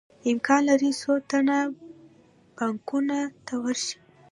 امکان لري څو تنه بانکونو ته ورشي